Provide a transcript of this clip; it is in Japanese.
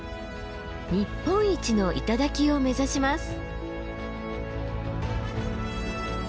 日本一の頂を目指します。